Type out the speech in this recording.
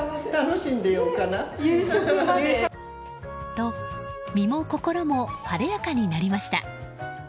と、身も心も晴れやかになりました。